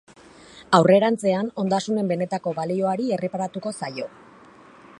Aurrerantzean, ondasunen benetako balioari erreparatuko zaio.